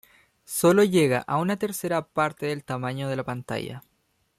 Sólo llega a una tercera parte del tamaño de la pantalla.